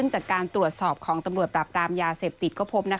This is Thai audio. จากการตรวจสอบของตำรวจปราบรามยาเสพติดก็พบ